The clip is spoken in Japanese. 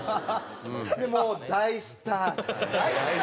でもう大スター期。